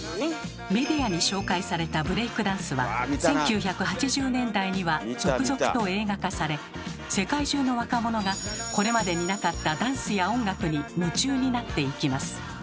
メディアに紹介されたブレイクダンスは１９８０年代には続々と映画化され世界中の若者がこれまでになかったダンスや音楽に夢中になっていきます。